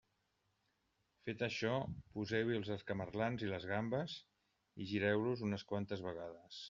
Fet això, poseu-hi els escamarlans i les gambes i gireu-los unes quantes vegades.